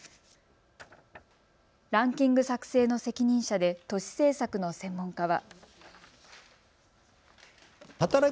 ランキング作成の責任者で都市政策の専門家は。